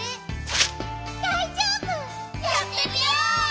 やってみよう！